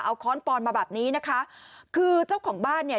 เอาค้อนปอนมาแบบนี้นะคะคือเจ้าของบ้านเนี่ย